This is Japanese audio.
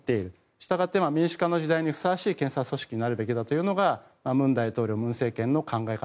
したがって民主化の時代にふさわしい検察組織にならなければという文大統領、文政権の考え方。